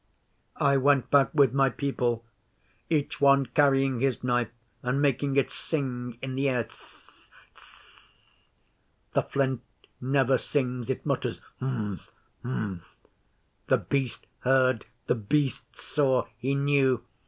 'I went back with my people, each one carrying his Knife, and making it sing in the air tssee sssse. The Flint never sings. It mutters ump ump. The Beast heard. The Beast saw. He knew!